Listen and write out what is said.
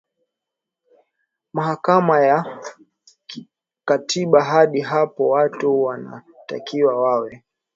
mahakama ya katiba Hadi hapo watu wanatakiwa wawe